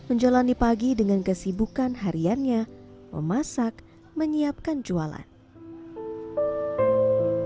menjalani pagi dengan kesibukan hariannya memasak menyiapkan jualan